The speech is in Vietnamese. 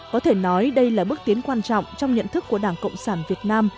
có thể nói đây là bước tiến quan trọng trong nhận thức của đảng cộng sản việt nam